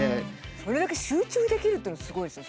それだけ集中できるっていうのすごいですね